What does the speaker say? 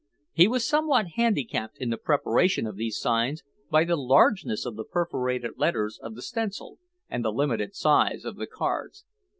He was somewhat handicapped in the preparation of these signs by the largeness of the perforated letters of the stencil and the limited size of the cards.